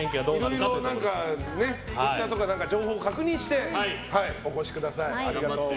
いろいろツイッターとかで情報を確認してお越しください。